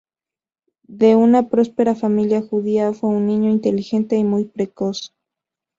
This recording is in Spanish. De una próspera familia judía, fue un niño inteligente y muy precoz.